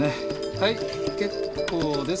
はい結構です。